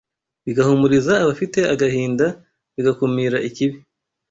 bigahumuriza abafite agahinda bigakumira ikibi